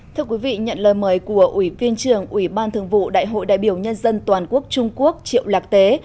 thưa quý vị nhận lời mời của ủy viên trưởng ủy ban thường vụ đại hội đại biểu nhân dân toàn quốc trung quốc triệu lạc tế